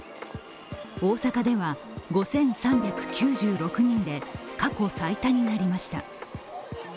大阪では５３９６人で過去最多になりました。